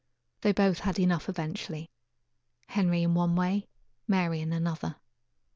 They both had enough eventually; Henry in one way, Mary in another.